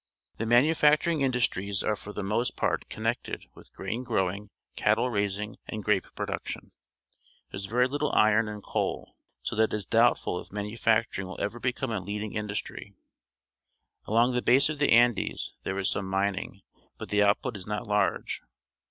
The manufacturing industries are for the most part connected with grain growing, cattle raising, and grape production. There is very little iron and coal, so that it is doubt ful if manufacturing will ever become a lead ing industry. Along the ba.se of the Andes there is some mining, but the output is not large.